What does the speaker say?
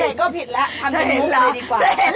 มันผิดข้างมันผิดข้างเองจริง